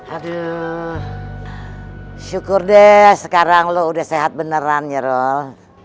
aduh syukur deh sekarang lo udah sehat beneran nyerol